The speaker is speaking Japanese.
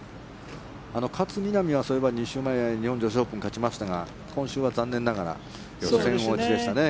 勝みなみは日本女子オープンで勝ちましたが今週は残念ながら予選落ちでしたね。